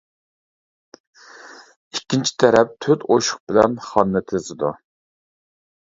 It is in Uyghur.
ئىككىنچى تەرەپ تۆت ئوشۇق بىلەن خاننى تىزىدۇ.